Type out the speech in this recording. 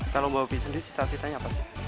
kalau bawa op sendiri cita citanya apa sih